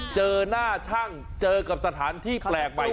เจอหน้าช่างเจอกับสถานที่แปลกใหม่